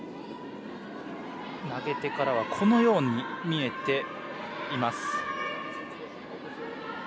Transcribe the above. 投げ手からはこのように見えています。